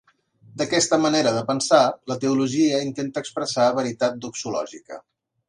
D'aquesta manera de pensar, la teologia intenta expressar veritat doxològica.